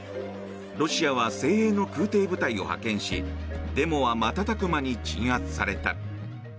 ロシアは精鋭の空挺部隊を派遣しデモは瞬く間に鎮圧された。